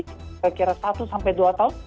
kira kira satu sampai dua tahun